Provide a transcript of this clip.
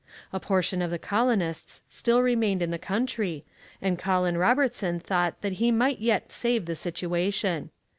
A portion of the colonists still remained in the country, and Colin Robertson thought that he might yet save the situation.